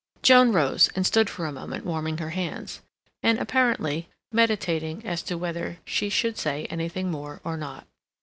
Joan rose, and stood for a moment warming her hands, and, apparently, meditating as to whether she should say anything more or not.